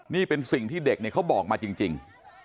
นี่เป็นสิ่งที่เด็กเขาบอกมาจริง